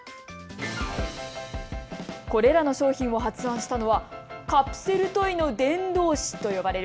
これらの商品を発案したのはカプセルトイの伝道師と呼ばれる